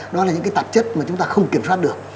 đó là những cái tạp chất mà chúng ta không kiểm soát được